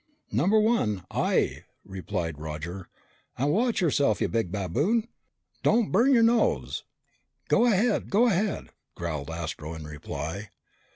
"Number one, aye," replied Roger. "And watch yourself, you big baboon. Don't burn your nose!" "Go ahead, go ahead!" growled Astro in reply.